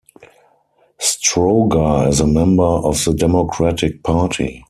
Stroger is a member of the Democratic Party.